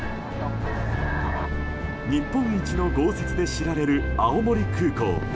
日本一の豪雪で知られる青森空港。